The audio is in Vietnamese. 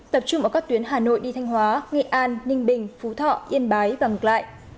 tập trung ở các tuyến hà nội đi thanh hóa nghệ an ninh bình phú thọ yên bái và ngược lại